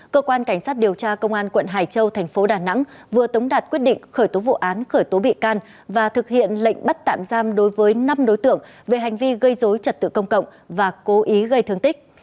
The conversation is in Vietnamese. cơ quan cảnh sát điều tra công an quận hải châu thành phố đà nẵng vừa tống đạt quyết định khởi tố vụ án khởi tố bị can và thực hiện lệnh bắt tạm giam đối với năm đối tượng về hành vi gây dối trật tự công cộng và cố ý gây thương tích